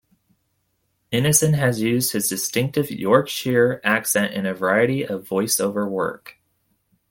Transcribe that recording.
Ineson has used his distinctive Yorkshire accent in a variety of voice over work.